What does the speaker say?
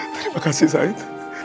terima kasih syahid